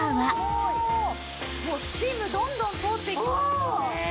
もうスチームどんどん通っていきますもんね。